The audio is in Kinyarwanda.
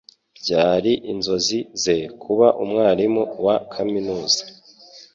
Byari inzozi ze kuba umwarimu wa kaminuza